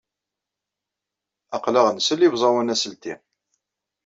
Aql-aɣ nsel i uẓawan aselti.